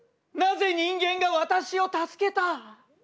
なぜ人間が私を助けた？